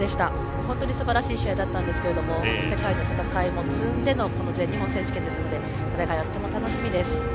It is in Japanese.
本当にすばらしい試合だったんですけども世界との戦いも積んでのこの全日本選手権ですので戦いが、とても楽しみです。